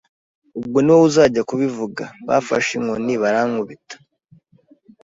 ubwo ni wowe uzajya kubivuga.” Bafashe inkoni barankubita